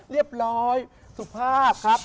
เรียบร้อยสุภาพครับ